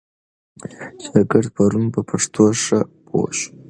شاګرد پرون په پښتو ښه پوه سو.